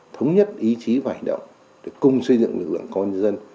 thống nhất ý chí và hành động để cùng xây dựng lực lượng công an dân